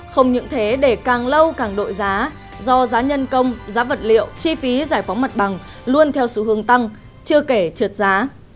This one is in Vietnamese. không những thế để càng lâu càng đổi giá do giá nhân công giá vật liệu chi phí giải phóng mặt bằng luôn theo xu hướng tăng chưa kể trượt giá